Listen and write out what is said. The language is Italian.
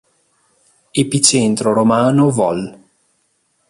Epicentro romano vol.